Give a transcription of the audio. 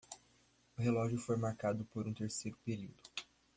O relógio foi marcado por um terceiro período.